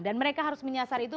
dan mereka harus menyasar itu